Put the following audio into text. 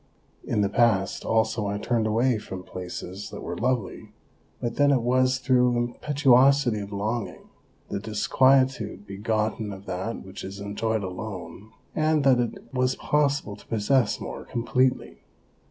In the past also I turned away from places that were lovely, but then it was through impetu osity of longing, the disquietude begotten of that which is enjoyed alone, and that it was possible to possess more completely.